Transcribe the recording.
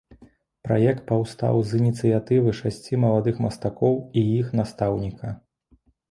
Праект паўстаў з ініцыятывы шасці маладых мастакоў і іх настаўніка.